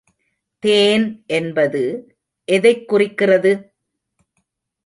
தேன் என்பது எதைக் குறிக்கிறது?